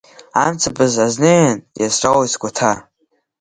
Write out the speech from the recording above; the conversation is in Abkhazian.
Амцабз азнеин иацралоит сгәаҭа.